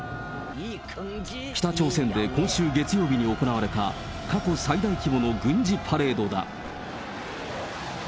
北朝鮮で今週月曜日に行われた過去最大規模の軍事パレードだ。